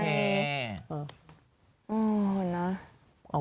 อ๋อเขาเชียงใหม่